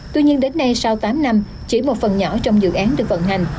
tuy nhiên đến nay sau tám năm chỉ một phần nhỏ trong dự án được vận hành